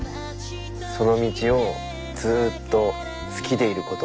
その道をずっと好きでいること。